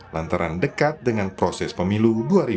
lantaran dekat dengan proses pemilu dua ribu dua puluh